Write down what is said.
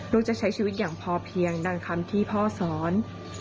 จะใช้ชีวิตอย่างพอเพียงดังคำที่พ่อสอน